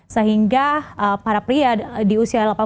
sehingga para pria di usia delapan belas